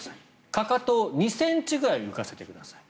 かかとを２ｃｍぐらい浮かせてください。